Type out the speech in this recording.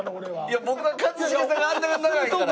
いや僕は一茂さんがあんなに長いから。